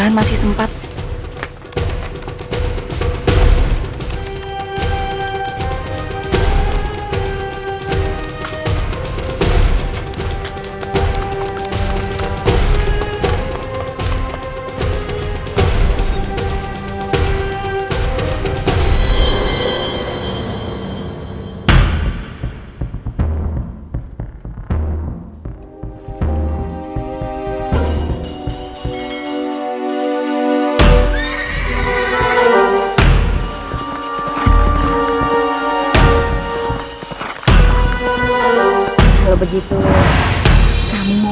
sampai jumpa di video selanjutnya